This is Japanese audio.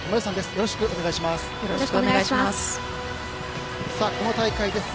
よろしくお願いします。